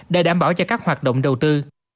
để đảm bảo cho các hoạt động đầu tư